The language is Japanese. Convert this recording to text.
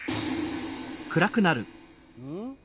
うん？